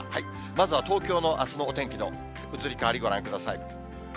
まずは東京あすのお天気の移り変わりご覧ください。